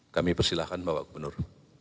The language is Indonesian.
kami persilahkan bapak gubernur